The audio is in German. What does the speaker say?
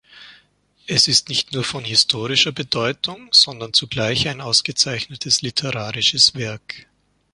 Es ist nicht nur von historischer Bedeutung, sondern zugleich ein ausgezeichnetes literarisches Werk.